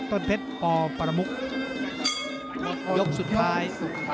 ต้นเพชรปประมุกยกสุดท้าย